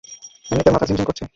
এমনিতে মাথা ঝিমঝিম করছে।